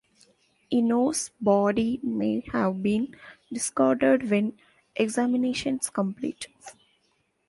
Enos's body may have been discarded when examinations complete.